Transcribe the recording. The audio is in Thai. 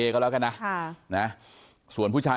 เขาแล้วกันนะ